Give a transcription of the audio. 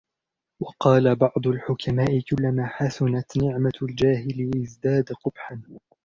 وَقَالَ بَعْضُ الْحُكَمَاءِ كُلَّمَا حَسُنَتْ نِعْمَةُ الْجَاهِلِ ازْدَادَ قُبْحًا